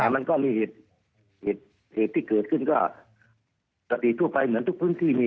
มันก็มีเหตุที่เกิดขึ้นก็ปกติทั่วไปเหมือนทุกพื้นที่มี